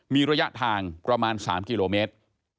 มีระยะทางประมาณ๓กิโลเมตร